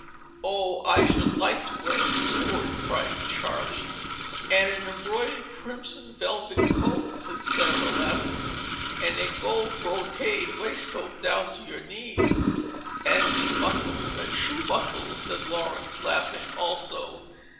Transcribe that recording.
"Oh, I should like to wear a sword!" cried Charley. "And an embroidered crimson velvet coat," said Clara, laughing, "and a gold brocade waistcoat down to your knees!" "And knee buckles and shoe buckles," said Laurence, laughing also.